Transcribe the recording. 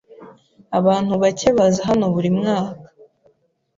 Abantu bake baza hano buri mwaka.